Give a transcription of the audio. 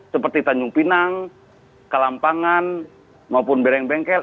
seperti tanjung pinang kelampangan maupun bereng bengkel